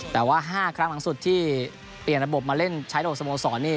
แต่ว่า๕ครั้งหลังสุดที่เปลี่ยนระบบมาเล่นใช้ระบบสโมสรนี่